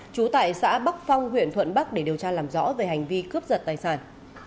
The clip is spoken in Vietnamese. trú tại xã bắc phong huyện thuận bắc để điều tra làm rõ về hành vi cướp giật tài sản